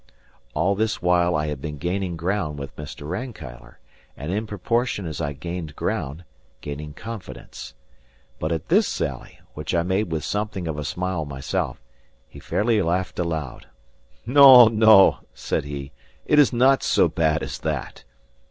All this while I had been gaining ground with Mr. Rankeillor, and in proportion as I gained ground, gaining confidence. But at this sally, which I made with something of a smile myself, he fairly laughed aloud. "No, no," said he, "it is not so bad as that.